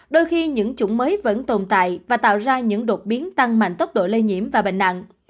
đôi khi những chủng mới vẫn tồn tại và tạo ra những đột biến tăng mạnh tốc độ lây nhiễm và bệnh nặng